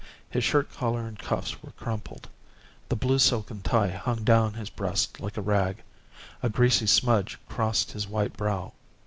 His shirt collar and cuffs were crumpled; the blue silken tie hung down his breast like a rag; a greasy smudge crossed his white brow.